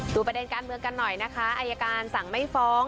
ประเด็นการเมืองกันหน่อยนะคะอายการสั่งไม่ฟ้อง